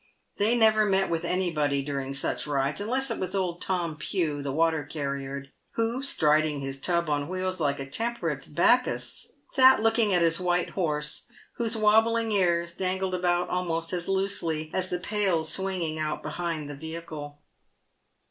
They never met with anybody during such rides, unless it was old Tom Pugh, the water carrier, who, striding his tub on wheels like a temperance Bac chus, sat looking at his white horse, whose wabbling ears dangled about almost as loosely as the pails swinging behind the vehicle.